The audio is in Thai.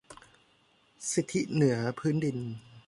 สิทธิเหนือพื้นดิน